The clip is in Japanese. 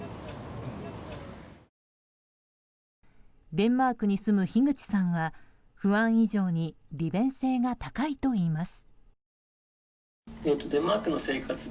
デンマークに住む樋口さんは不安以上に利便性が高いといいます。